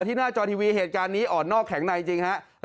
หน้าจอทีวีเหตุการณ์นี้อ่อนนอกแข็งในจริงฮะ